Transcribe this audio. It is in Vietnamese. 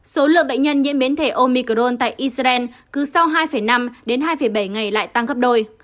số lượng bệnh nhân nhiễm biến thể omicron tại israel cứ sau hai năm đến hai bảy ngày lại tăng gấp đôi